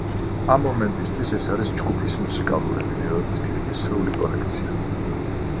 ამ მომენტისთვის ეს არის ჯგუფის მუსიკალური ვიდეოების თითქმის სრული კოლექცია.